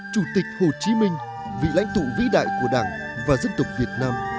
chủ tịch hồ chí minh vị lãnh tụ vĩ đại của đảng và dân tộc việt nam